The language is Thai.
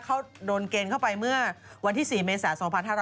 เขาโดนเกณฑ์เข้าไปเมื่อวันที่๔เมษา๒๕๕๙